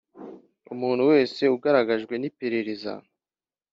Umuntu wese ugaragajwe n iperereza